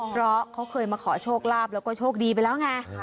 เพราะเขาเคยมาขอโชคลาภแล้วก็โชคดีไปแล้วไง